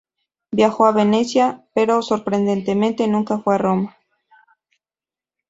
Viajó a Venecia, pero sorprendentemente, nunca fue a Roma.